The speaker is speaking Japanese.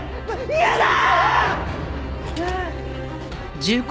嫌だ！！